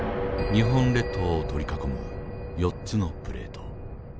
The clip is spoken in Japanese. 日本列島を取り囲む４つのプレート。